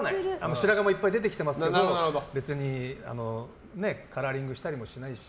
白髪もいっぱい出てきてますけど別にカラーリングしたりもしないし。